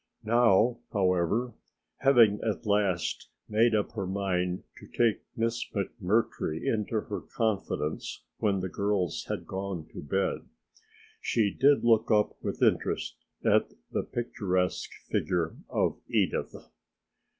Now, however, having at last made up her mind to take Miss McMurtry into her confidence when the girls had gone to bed, she did look up with interest at the picturesque figure of Edith.